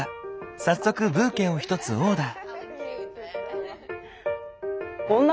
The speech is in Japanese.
早速ブーケを１つオーダー。